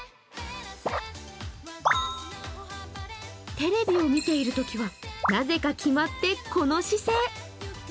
テレビを見ているときはなぜか決まってこの姿勢。